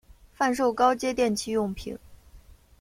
贩售高阶电器用品